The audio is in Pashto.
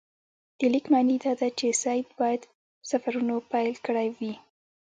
د لیک معنی دا ده چې سید باید په سفرونو پیل کړی وي.